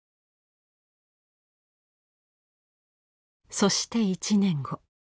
そして１年後。